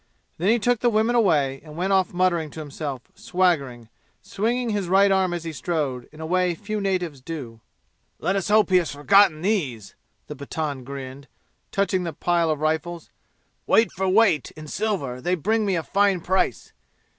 Then he took the women away and went off muttering to himself, swaggering, swinging his right arm as he strode, in a way few natives do. "Let us hope he has forgotten these!" the Pathan grinned, touching the pile of rifles. "Weight for weight in silver they will bring me a fine price!